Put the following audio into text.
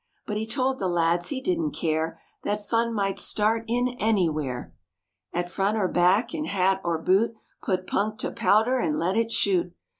But he told the lads he didn't care, That fun might start in anywhere; At front or back, in hat or boot, Put punk to powder and let it shoot.